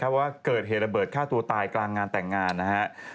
ว่าเกิดเหตุระเบิดฆ่าตัวตายกลางงานแต่งงานนะครับ